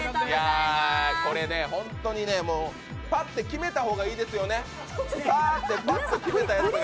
これね、ホントにね、パッと決めた方がいいですよね。